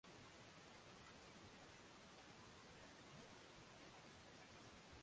na mkatili kama inavyojulikana duniani kote na kila Sehemu husika